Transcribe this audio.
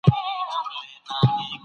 آیا مذهب د قانون سرچینه وه؟